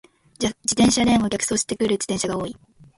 自転車レーンを逆走してくる自転車が多い。